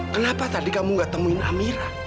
kenapa tadi kamu gak temuin amira